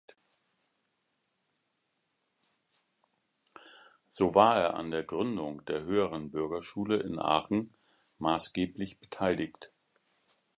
So war er an der Gründung der „Höheren Bürgerschule“ in Aachen maßgeblich beteiligt.